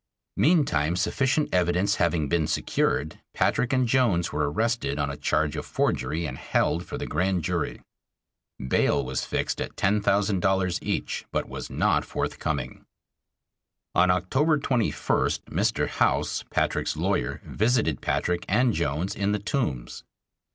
Meantime sufficient evidence having been secured, Patrick and Jones were arrested on a charge of forgery and held for the Grand Jury. Bail was fixed at ten thousand dollars each, but was not forthcoming. On October 21st, Mr. House, Patrick's lawyer, visited Patrick and Jones in the Tombs.